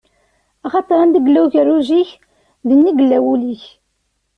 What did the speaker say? Axaṭer anda yella ugerruj-ik, dinna i yella wul-ik.